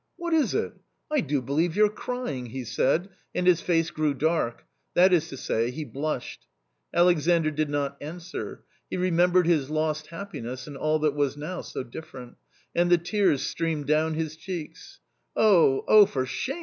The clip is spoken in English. " What is it ? I do believe you're crying !" he said, and his face grew dark ; that is to say, he blushed. Alexandr did not answer. He remembered his lost happiness, and all that was now so different. And the tears streamed down his cheeks. " Oh, oh ! for shame !